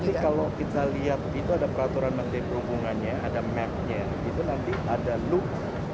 jadi nanti kalau kita lihat itu ada peraturan mantai perhubungannya ada map nya itu nanti ada loop